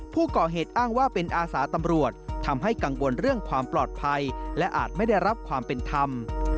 ผู้ก่อเหตุอ้างว่าเป็นอาสาตำรวจทำให้กังวลเรื่องความปลอดภัยและอาจไม่ได้รับความเป็นธรรม